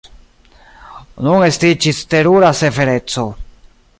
Nun estiĝis terura severeco.